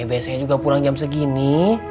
biasanya juga pulang jam segini